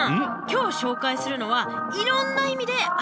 今日紹介するのはいろんな意味で「熱い」